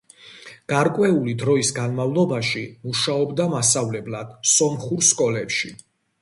გარკვეული დროის განმავლობაში მუშაობდა მასწავლებლად სომხურ სკოლებში.